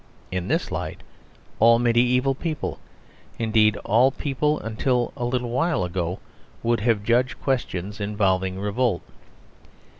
In this light all mediæval people indeed, all people until a little while ago would have judged questions involving revolt.